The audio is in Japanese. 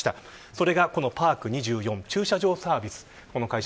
それが、このパーク２４駐車場サービス。